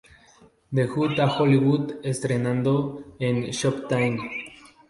De Hood a Hollywood, estrenado en Showtime.